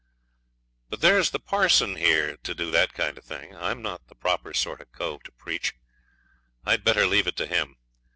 But there's the parson here to do that kind of thing. I'm not the proper sort of cove to preach. I'd better leave it to him.